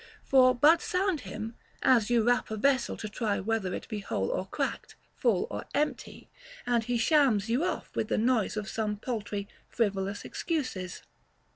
For but sound him, as you rap •a vessel to try whether it be whole or cracked, full or empty ; and he shams you off with the noise of some paltry, frivolous excuses.